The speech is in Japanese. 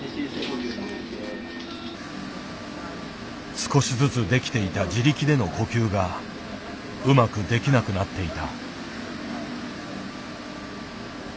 少しずつできていた自力での呼吸がうまくできなくなっていた。